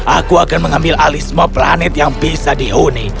aku akan mengambil alih semua planet yang bisa dihuni